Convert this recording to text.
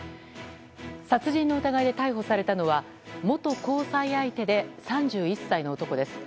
殺人の疑いで逮捕されたのは元交際相手で３１歳の男です。